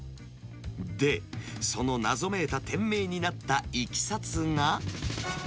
で、その謎めいた店名になったいきさつが。